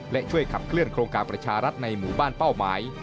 และช่วยขับเคลื่อนโครงการประชารัฐในหมู่บ้านเป้าหมาย